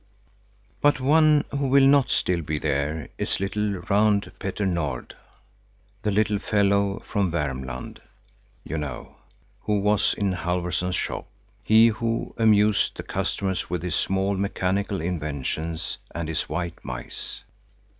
But one who will not still be there is little, round Petter Nord: the little fellow from Värmland, you know, who was in Halfvorson's shop; he who amused the customers with his small mechanical inventions and his white mice.